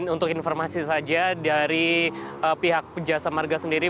untuk informasi saja dari pihak jasa marga sendiri